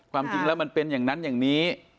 ความจริงแล้วมันเป็นอย่างนั้นอย่างนี้